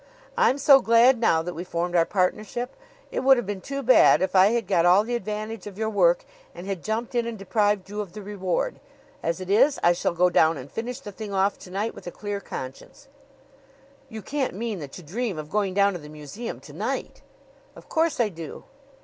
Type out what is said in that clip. I'm so glad now that we formed our partnership. It would have been too bad if I had got all the advantage of your work and had jumped in and deprived you of the reward. As it is, I shall go down and finish the thing off to night with a clear conscience." "You can't mean that you dream of going down to the museum to night!" "Of course I do."